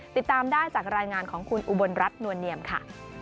ติดตามได้จากรายงานของคุณอุบลรัฐนวลเนียมค่ะ